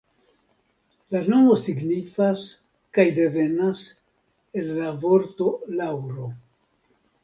La nomo signifas kaj devenas el la vorto laŭro.